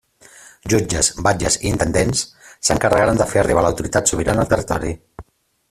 Jutges, batlles i intendents s'encarregaren de fer arribar l'autoritat sobirana al territori.